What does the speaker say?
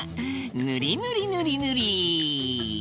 ぬりぬりぬりぬり！